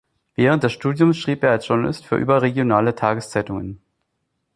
Während seines Studiums schrieb er als Journalist für überregionale Tageszeitungen.